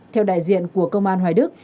theo đại diện của công an hoài đức